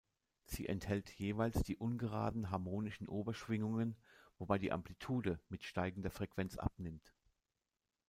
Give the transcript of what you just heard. Sie enthält jeweils die ungeraden harmonischen Oberschwingungen, wobei die Amplitude mit steigender Frequenz abnimmt.